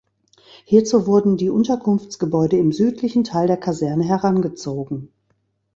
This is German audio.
Hierzu wurden die Unterkunftsgebäude im südlichen Teil der Kaserne herangezogen.